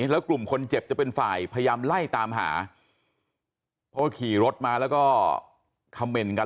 แล้วกลุ่มคนเจ็บจะเป็นฝ่ายพยายามไล่ตามหาเพราะว่าขี่รถมาแล้วก็คำเมนต์กัน